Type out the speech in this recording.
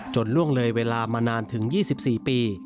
ล่วงเลยเวลามานานถึง๒๔ปี